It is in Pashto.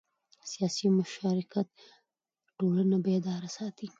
سیاسي مشارکت ټولنه بیداره ساتي